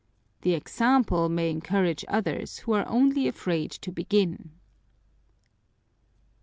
The example may encourage others who are only afraid to begin."